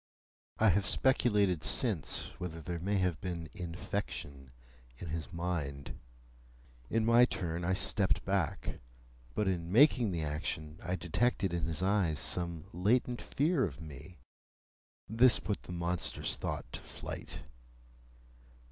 I have speculated since, whether there may have been infection in his mind. In my turn, I stepped back. But in making the action, I detected in his eyes some latent fear of me. This put the monstrous thought to flight.